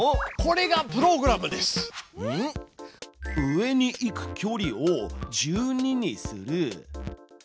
「上に行く距離を１２にする」。